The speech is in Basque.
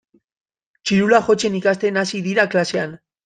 Txirula jotzen ikasten hasi dira klasean.